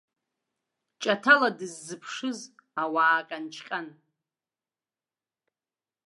Ҷаҭала дзызԥшыз ауаҟьанчаҟьан.